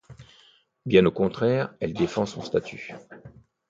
Bien au contraire, elle défend son statut.